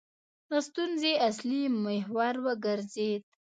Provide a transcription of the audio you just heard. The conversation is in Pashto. د ستونزې اصلي محور وګرځېد.